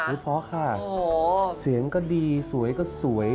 เพราะค่ะเสียงก็ดีสวยก็สวย